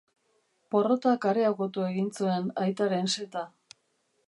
Porrotak areagotu egin zuen aitaren seta.